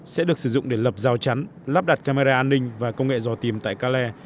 sẽ được sử dụng để lập rào chắn lắp đặt camera an ninh và công nghệ dò tìm tại kalle